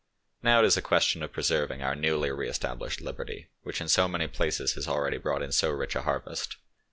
Now it is a question of preserving our newly re established liberty, which in so many places has already brought in so rich a harvest.